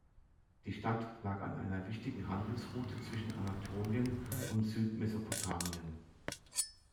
Die Stadt lag an einer wichtigen Handelsroute zwischen Anatolien und Südmesopotamien.